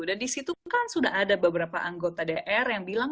dan di situ kan sudah ada beberapa anggota dr yang bilang